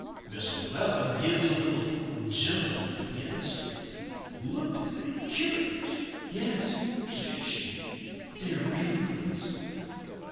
"Miss Willella gives a little jump on the piano stool, and looked at me curious. "'Yes,' says she, 'they're real nice.